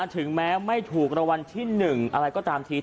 ถึงแม้ไม่ถูกรางวัลที่๑อะไรก็ตามที